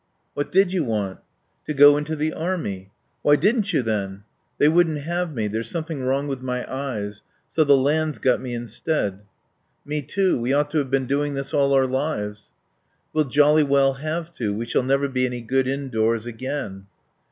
"What did you want?" "To go into the Army." "Why didn't you then?" "They wouldn't have me. There's something wrong with my eyes.... So the land's got me instead." "Me too. We ought to have been doing this all our lives." "We'll jolly well have to. We shall never be any good indoors again."